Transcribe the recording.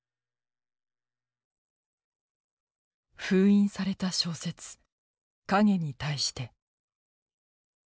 封印された小説「影に対して」。